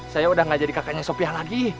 saya udah gak jadi kakaknya sopiah lagi